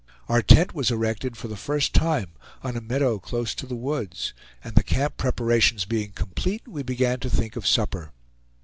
Our tent was erected for the first time on a meadow close to the woods, and the camp preparations being complete we began to think of supper.